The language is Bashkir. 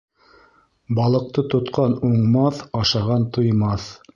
Балыҡты тотҡан уңмаҫ, ашаған туймаҫ.